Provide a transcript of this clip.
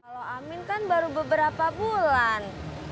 kalau amin kan baru beberapa bulan